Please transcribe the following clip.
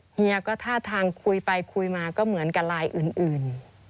เฮียก็ท่าทางคุยไปคุยมาก็เหมือนกับลายอื่น